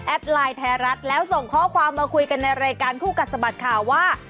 ไลน์ไทยรัฐแล้วส่งข้อความมาคุยกันในรายการคู่กัดสะบัดข่าวว่า